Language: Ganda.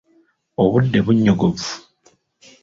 Obudde bunnyogovu.